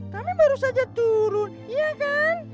kami baru saja turun iya kan